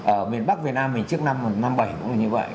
ở miền bắc việt nam mình trước năm năm mươi bảy cũng là như vậy